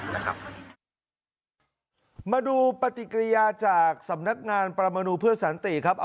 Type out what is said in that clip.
แล้วก็มีไอมีน้ำมูกนะครับ